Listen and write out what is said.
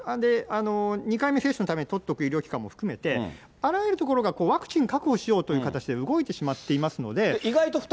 要するに２回目接種のために取っておく機関も含めて、あらゆる所がワクチン確保しようという形で動いてしまっていますので。